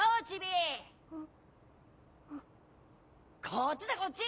こっちだこっち！